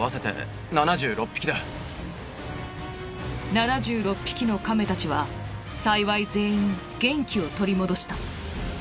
７６匹のカメたちは幸い全員元気を取り戻した。